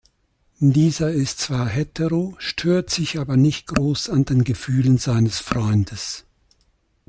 Dieser ist zwar hetero, stört sich aber nicht groß an den Gefühlen seines Freundes.